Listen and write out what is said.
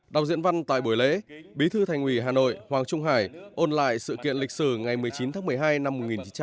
đọc diễn văn tại buổi lễ bí thư thành ủy hà nội hoàng trung hải ôn lại sự kiện lịch sử ngày một mươi chín tháng một mươi hai năm một nghìn chín trăm bảy mươi năm